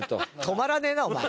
止まらねえなお前。